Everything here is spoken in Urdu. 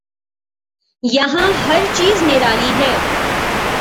یہاں ہر چیز نرالی ہے۔